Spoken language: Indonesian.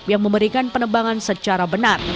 yang memberikan penebangan secara benar